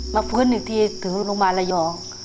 ฟื้นอีกทีถึงโรงพยาบาลระยอง